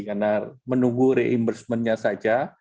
karena menunggu reimbursement nya saja